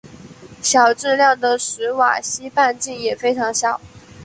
小质量的史瓦西半径也非常小。